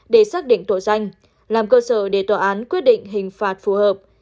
để xác định tội danh làm cơ sở để tòa án quyết định hình phạt phù hợp